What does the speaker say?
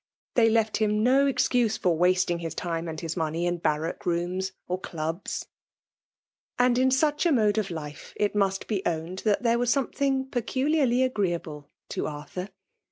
They left him no excuse for wasting his time and his money in barrack rooms or chibs. FBMALB BOiflNATIOir. 286 : And in such amode of life^it must be owned that there was something peculiarlj agreeable to Arthur.